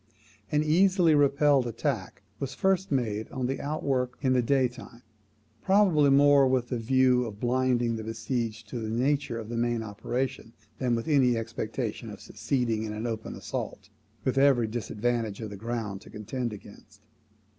An easily repelled attack was first made on the outwork in the day time, probably more with the view of blinding the besieged to the nature of the main operations than with any expectation of succeeding in an open assault, with every disadvantage of the ground to contend against.